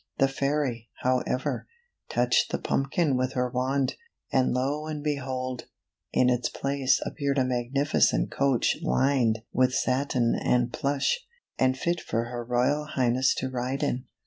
The fairy, however, touched the pumpkin with her wand, and lo and behold ! in its place appeared a magnificent coach lined with satin and plush, and fit for Her Royal Highness to ride in.